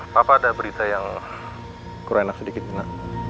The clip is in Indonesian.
papa ada berita yang kurang enak sedikit kena